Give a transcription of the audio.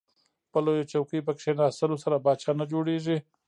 په لویه چوکۍ په کیناستلو سره پاچا نه جوړیږئ.